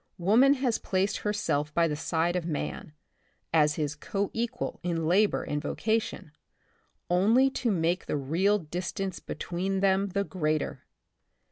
Woman has placed herself by the side of man, as his co equal in labor and vocation, only to make the real distance between them the greater.